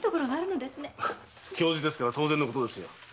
教授ですから当然ですよ。